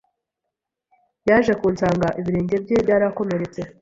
yaje kunsanga. Ibirenge bye byarakomeretse